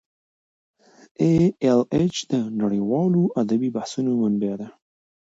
ای ایل ایچ د نړیوالو ادبي بحثونو منبع ده.